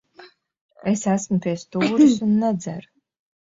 Es esmu pie stūres un nedzeru.